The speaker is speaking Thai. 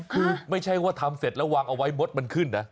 คือไม่ใช่ว่าทำเสร็จแล้ววางเอาไว้มดมันขึ้นนะ